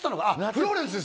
フローレンスです